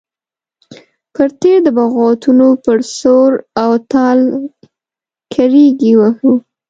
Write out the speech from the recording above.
پر تېر د بغاوتونو پر سور او تال کرېږې وهو.